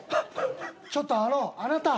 ちょっとあのあなた。